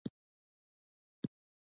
نیکه تل خندا خپروي.